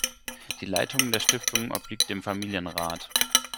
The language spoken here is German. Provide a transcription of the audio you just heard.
Die Leitung der Stiftung obliegt dem Familienrat.